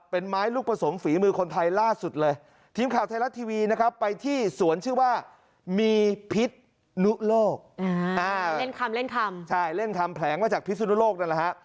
พิสุนุโลกเล่นคำใช่เล่นคำแผลงว่าจากพิสุนุโลกนั่นล่ะฮะ